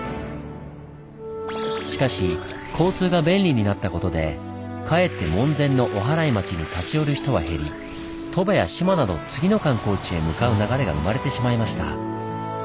しかし交通が便利になったことでかえって門前の「おはらい町」に立ち寄る人は減り鳥羽や志摩など次の観光地へ向かう流れが生まれてしまいました。